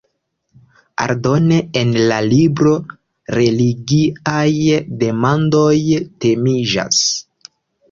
Aldone en la libro religiaj demandoj temiĝas.